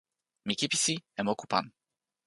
mi kipisi e moku pan.